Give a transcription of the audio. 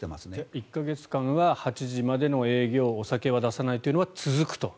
１か月間は８時までの営業お酒は出さないというのが続くと。